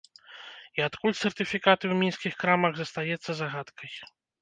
І адкуль сертыфікаты ў мінскіх крамах, застаецца загадкай.